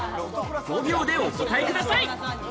５秒でお答えください。